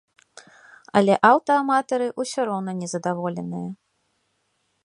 Але аўтааматары ўсё роўна незадаволеныя.